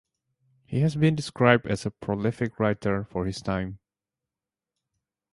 He has been described as a prolific writer for his time.